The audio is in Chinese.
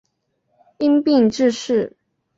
因病致仕。